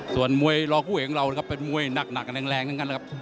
ส่วนมวยรอคู่เอกของเรานะครับเป็นมวยหนักแรงเหมือนกันนะครับ